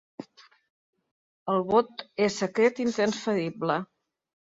El vot és secret i intransferible.